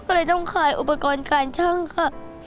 ก็เลยต้องขายอุปกรณ์การช่างค่ะ